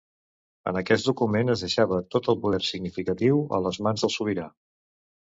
En aquest document es deixava tot el poder significatiu a les mans del sobirà.